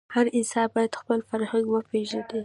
هر انسان باید خپل فرهنګ وپېژني.